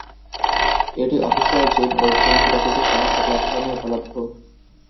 এটি official zoom web client ব্যতীত সমস্ত প্ল্যাটফর্মে উপলব্ধ।